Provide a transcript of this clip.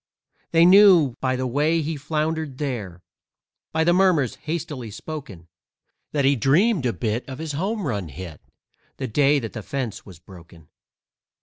They knew by the way he floundered there, By the murmurs hastily spoken, That he dreamed a bit of his home run hit The day that the fence was broken.